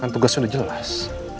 kan tugasnya udah jelas